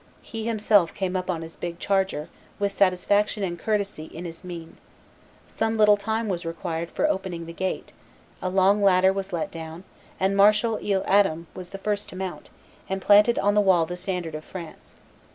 He himself came up on his big charger, with satisfaction and courtesy in his mien. Some little time was required for opening the gate; a long ladder was let down; and Marshal Isle Adam was the first to mount, and planted on the wall the standard of France.